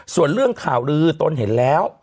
ส่วนเรื่องข่าวลือตนเห็นแล้ว